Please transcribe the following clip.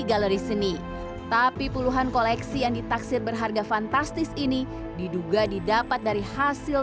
galeri seni tapi puluhan koleksi yang ditaksir berharga fantastis ini diduga didapat dari hasil